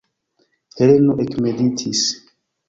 Heleno ekmeditis.